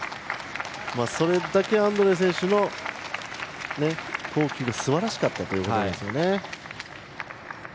それだけアンドレイチク選手の投球がすばらしかったということですね。